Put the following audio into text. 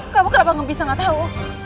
kamu kenapa nggak bisa nggak tahu